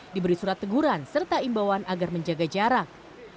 diberi surat teguran serta imbauan agar menjaga jarak